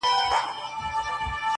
نمونې مي دي په كور كي د دامونو!.